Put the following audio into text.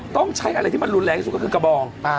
ต้องใช้อะไรที่มันรุนแรงที่สุดก็คือกระบอง